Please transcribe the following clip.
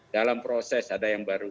dalam proses ada yang baru